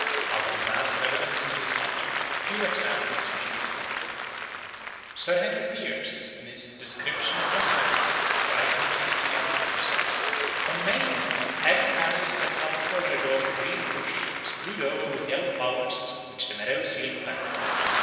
Out of the mass of evidence on this subject a few examples may be selected. Sir Henry Piers, in his Description of Westmeath, writing in 1682 says: "On May eve, every family sets up before their door a green bush, strewed over with yellow flowers, which the meadows yield plentifully.